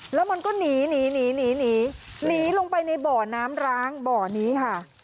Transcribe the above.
แล้วมันก็หนีหนีหนีหนีลงไปในบ่อน้ำร้างบ่อนี้ค่ะ